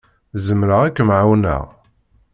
Zemreɣ ad kem-ɛawneɣ.